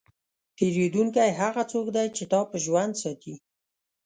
پیرودونکی هغه څوک دی چې تا په ژوند ساتي.